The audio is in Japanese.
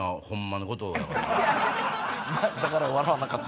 だから笑わなかった？